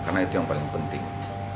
karena itu yang paling penting